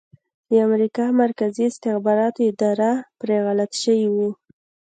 د امریکا مرکزي استخباراتو اداره پرې غلط شوي وو